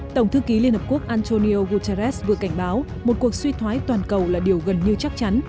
tổng thư ký liên hợp quốc antonio guterres vừa cảnh báo một cuộc suy thoái toàn cầu là điều gần như chắc chắn